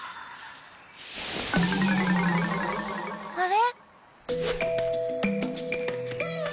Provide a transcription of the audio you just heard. あれ？